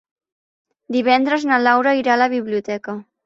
Divendres na Laura irà a la biblioteca.